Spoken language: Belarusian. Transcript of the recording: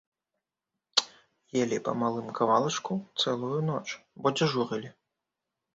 Елі па малым кавалачку цэлую ноч, бо дзяжурылі.